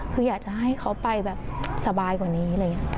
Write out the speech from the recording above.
คืออยากจะให้เขาไปสบายกว่านี้